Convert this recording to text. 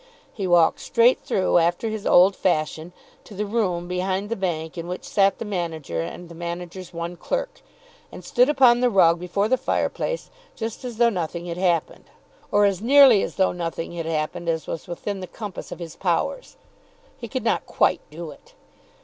He walked straight through, after his old fashion, to the room behind the bank in which sat the manager and the manager's one clerk, and stood upon the rug before the fire place just as though nothing had happened, or as nearly as though nothing had happened as was within the compass of his powers. He could not quite do it.